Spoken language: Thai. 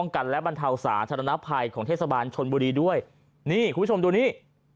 กันและบรรเทาสาธารณภัยของเทศบาลชนบุรีด้วยนี่คุณผู้ชมดูนี่